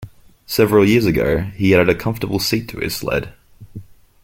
Several years ago, he added a comfortable seat to his sled.